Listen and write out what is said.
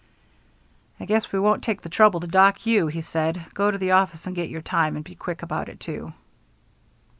"I guess we won't take the trouble to dock you," he said. "Go to the office and get your time. And be quick about it, too."